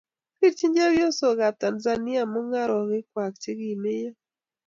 rirchini chepyosokab Tanzania mung'arenikwak che kimeiyo